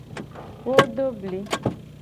Wo do bli.